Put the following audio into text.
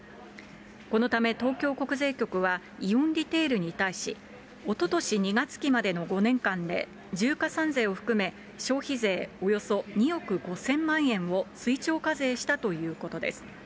このため、東京国税局は、イオンリテールに対し、おととし２月期までの５年間で重加算税を含め消費税およそ２億５０００万円を追徴課税したということです。